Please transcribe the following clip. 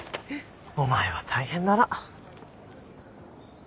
お前は大変だな。